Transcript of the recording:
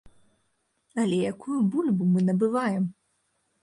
Але якую бульбу мы набываем?